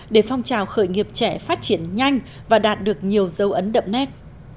để phong trào khởi nghiệp trẻ phát triển nhanh và đạt được nhiều dấu ấn đậm nét